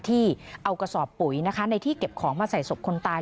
ที่เอากระสอบปุ๋ยนะคะในที่เก็บของมาใส่ศพคนตาย